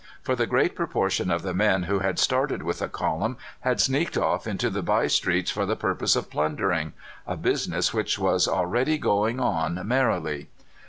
For the great proportion of the men who had started with the column had sneaked off into the by streets for the purpose of plundering a business which was already going on merrily.